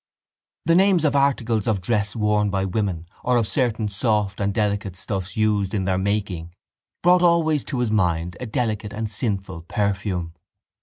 The names of articles of dress worn by women or of certain soft and delicate stuffs used in their making brought always to his mind a delicate and sinful perfume.